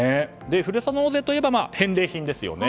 ふるさと納税といえば返礼品ですよね。